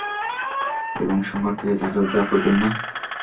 এবং সংকট থেকে তাকে উদ্ধার করবেন না?